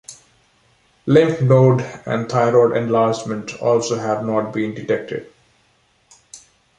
Lymph node and thyroid enlargement also have not been detected.